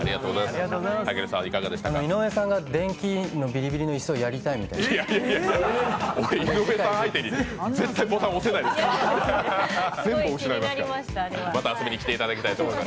井上さんが電気のビリビリのイスをやりたいみたいです。